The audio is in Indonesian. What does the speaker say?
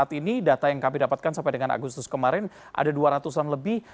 saat ini data yang kami dapatkan sampai dengan agustus kemarin ada dua ratus an lebih